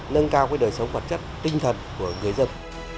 nâng cao đời sống vật chất tinh thần của người dân